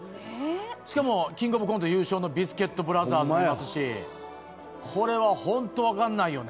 しかも、キングオブコント優勝のビスケットブラザーズもいますし、これは本当に分からないよね。